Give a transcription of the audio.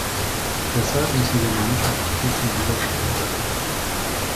Deshalb müssen wir meines Erachtens in dieser Sache vorangehen.